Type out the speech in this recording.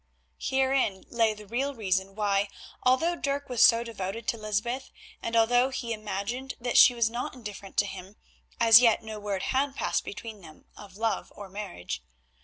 Herein lay the real reason why, although Dirk was so devoted to Lysbeth, and although he imagined that she was not indifferent to him, as yet no word had passed between them of love or marriage.